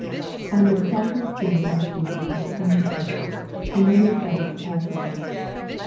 19 And the disciples did as Jesus iad appointed them ; and they made ready the Passover.